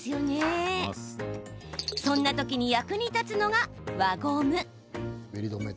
そんなときに役に立つのが輪ゴム。